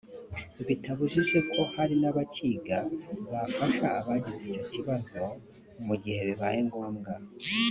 bitabujije ko hari n'abakiga bafasha abagize icyo kibazo mu gihe bibaye ngombwa